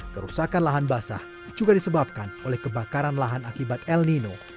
kerusakan lahan basah juga disebabkan oleh kebakaran lahan akibat el nino